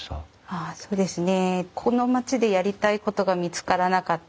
ああそうですね。